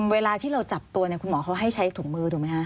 เวลาที่เราจับตัวเนี่ยคุณหมอเขาให้ใช้ถุงมือถูกไหมคะ